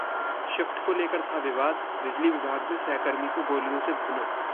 shift को लेकर था विवाद, बिजली विभाग में सहकर्मी को गोलियों से भूना